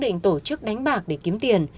định tổ chức đánh bạc để kiếm tiền